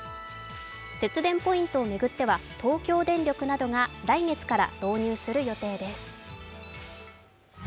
節電ポイントを巡っては東京電力などが来月から導入する予定です。